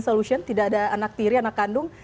solution tidak ada anak tiri anak kandung